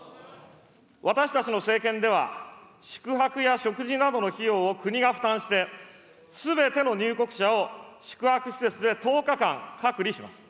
私たちの政権では、宿泊や食事などの費用を国が負担して、すべての入国者を宿泊施設で１０日間隔離します。